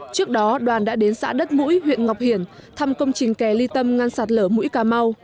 trước đó đoàn đã đến xã đất mũi huyện ngọc hiển thăm công trình kè ly tâm ngăn sạt lở mũi cà mau